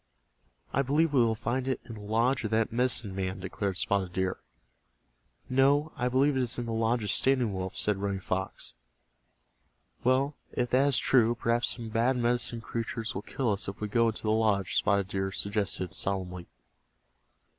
"I believe we will find it in the lodge of that medicine man," declared Spotted Deer. "No, I believe it is in the lodge of Standing Wolf," said Running Fox. "Well, if that is true perhaps some bad Medicine Creatures will kill us if we go into the lodge," Spotted Deer suggested, solemnly.